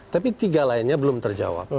tapi tiga lainnya belum terjawab